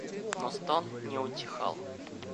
Но стон не утихал.